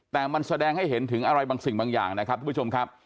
แต่มันแสดงให้เห็นถึงอะไรบางสิ่งบางอย่างนะครับทุกผู้ชมครับ